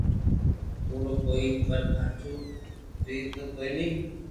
ڪوڙو ڪوئي پر ھاچو بي تو ڪوئي ني